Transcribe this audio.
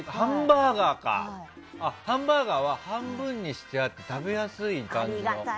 ハンバーガーは半分にしてあって食べやすいんだ。